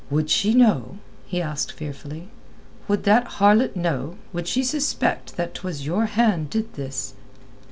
"Would she know?" he asked fearfully. "Would that harlot know, would she suspect that 'twas your hand did this?"